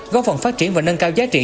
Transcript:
góp phần phát triển và nâng cao giá trị